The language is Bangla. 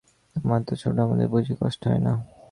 আমরা তো ছোট, আমাদের বুঝি কষ্ট হয় না?